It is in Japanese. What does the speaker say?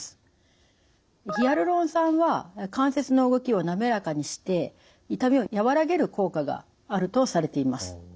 ヒアルロン酸は関節の動きをなめらかにして痛みを和らげる効果があるとされています。